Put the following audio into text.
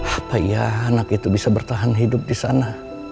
apa iya anak itu bisa bertahan hidup di sana